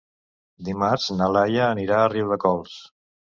Dimarts na Laia anirà a Riudecols.